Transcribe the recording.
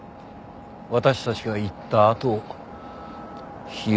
私たちが行ったあと火をつけた。